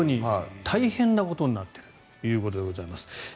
大変なことになっているということでございます。